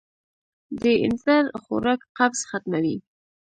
د اینځر خوراک قبض ختموي.